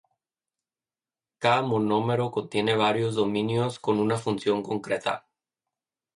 Cada monómero contiene varios dominios con una función concreta.